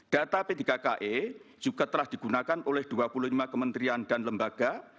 data p tiga ki juga telah digunakan oleh dua puluh lima kementerian dan lembaga